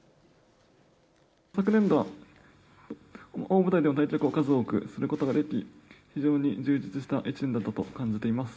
昨年度は大舞台での対局を数多くすることができ、非常に充実した１年だったと感じています。